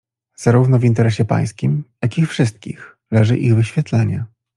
"Zarówno w interesie pańskim, jak i wszystkich leży ich wyświetlenie."